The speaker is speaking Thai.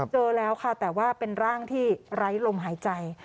เจอแล้วค่ะแต่ว่าเป็นร่างที่ไร้ลมหายใจ